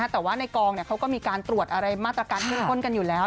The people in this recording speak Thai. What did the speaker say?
แต่ว่าในกองเขาก็มีการตรวจอะไรมาตรการเมืองต้นกันอยู่แล้ว